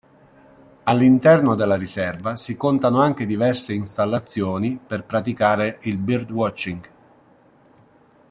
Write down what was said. All'interno della riserva si contano anche diverse installazioni per praticare il birdwatching.